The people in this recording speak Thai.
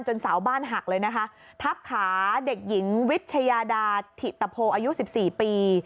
เสาบ้านหักเลยนะคะทับขาเด็กหญิงวิชยาดาถิตโพอายุ๑๔ปี